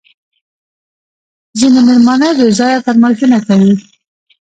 ځیني مېلمانه بېځایه فرمایشونه کوي